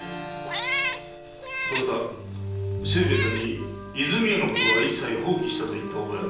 そなた清兵衛さんに「和泉屋のことは一切放棄した」と言った覚えはないか？